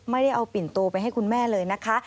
ไม่ได้เอาปิ่นโตไปให้คุณแม่เลยนะคะ